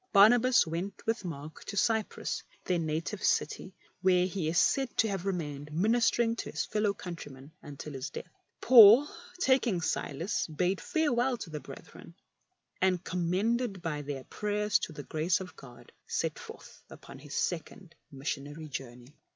Barnabas went with Mark to Cyprus, their native city, where he is said to have remained, ministering to his fellow country men until his death. Paul, taking Silas, bade farewell to the brethren, and, commended by their prayers to the grace of God, set forth upon his second missionary journey.